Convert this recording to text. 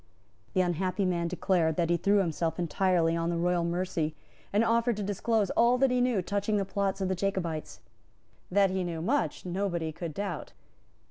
The unhappy man declared that he threw himself entirely on the royal mercy, and offered to disclose all that he knew touching the plots of the Jacobites. That he knew much nobody could doubt.